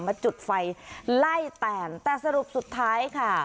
มาจุดไฟไล่แตนแต่สรุปสุดท้ายค่ะ